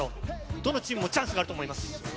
どのチームもチャンスがあると思います。